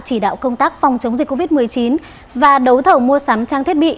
chỉ đạo công tác phòng chống dịch covid một mươi chín và đấu thầu mua sắm trang thiết bị